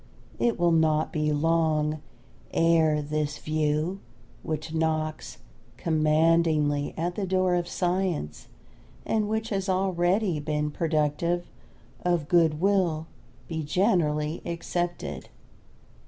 It will not be long ere this view which knocks commandingly at the door of science and which has already been productive of good will be generally accepted.